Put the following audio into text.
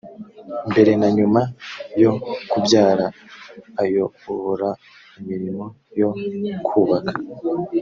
mbere na nyuma yo kubyara ayobora imirimo yo kubaka